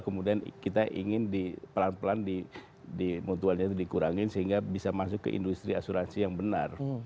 kemudian kita ingin pelan pelan di mutualnya itu dikurangin sehingga bisa masuk ke industri asuransi yang benar